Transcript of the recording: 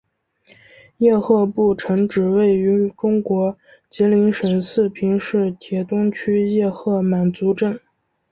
叶赫部城址位于中国吉林省四平市铁东区叶赫满族镇。